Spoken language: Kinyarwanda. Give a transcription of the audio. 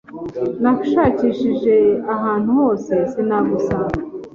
Nashakishije ahantu hose sinagusanga.